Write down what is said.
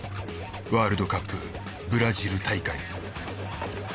ワールドカップブラジル大会。